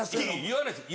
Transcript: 言わないです